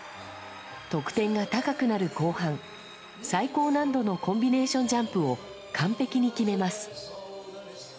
得点が高くなる後半、最高難度のコンビネーションジャンプを完璧に決めます。